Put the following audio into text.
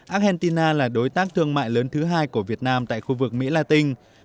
argentina là đối tác thương mại lớn thứ hai của việt nam tại khu vực mỹ latin